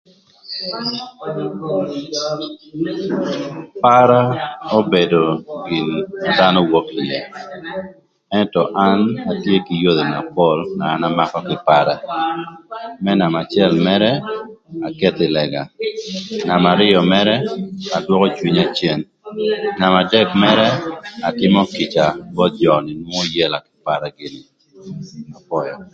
Para obedo gin na dhanö wok ïë ëntö an atye kï yodhi na pol na an amakö kï para. Më nama acël mërë aketho ï lëga. Nama arïö mërë adwökö cwinya cen. Nama adek mërë atïmö kïca both jö na nwongo yela kï para gïnï apwöyö.